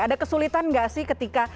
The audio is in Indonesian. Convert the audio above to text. ada kesulitan nggak sih ketika